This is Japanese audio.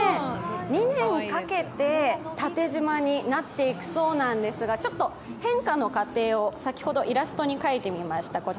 ２年かけて縦じまになっていくそうなんですが、ちょっと変化の過程を先ほどイラストに描いてみました。